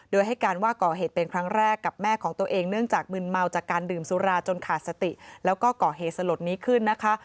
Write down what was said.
โดยให้การว่าก่อเหตุเป็นครั้งแรกกับแม่ของตัวเองเนื่องจากมึนเมาจากการดื่มสุราจนขาดสติแล้วก็ก่อเหตุสลดนี้ขึ้นนะคะ